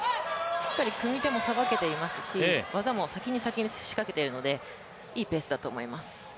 しっかり組み手もさばけてますし、技も先に先に仕掛けているのでいいペースだと思います。